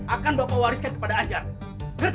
akan bapak wariskan kepada ajang